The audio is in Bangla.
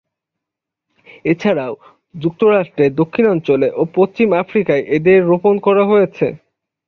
এছাড়াও যুক্তরাষ্ট্রের দক্ষিণাঞ্চলে ও পশ্চিম আফ্রিকায় এদের রোপন করা হয়েছে।